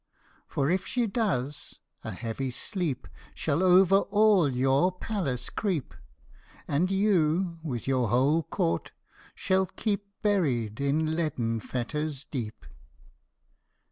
" For if she does, a heavy sleep Shall over all your palace creep, And you, with your whole court, shall keep Buried in leaden fetters deep